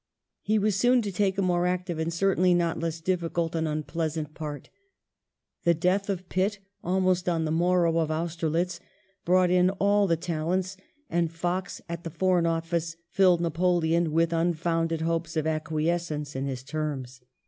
He was soon to take a more active and certainly not less difficult and unpleasant part The death of Pitt, almost on the morrow of Austerlitz, brought in " all the talents," and Fox at the Foreign Office filled Napoleon with unfounded hopes of acquiescence in his terms.